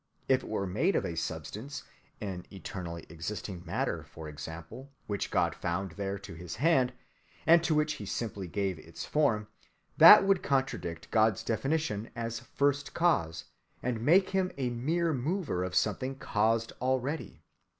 If it were made of a substance, an eternally existing matter, for example, which God found there to his hand, and to which He simply gave its form, that would contradict God's definition as First Cause, and make Him a mere mover of something caused already.